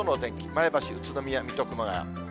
前橋、宇都宮、水戸、熊谷。